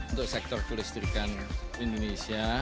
untuk sektor kelistrikan indonesia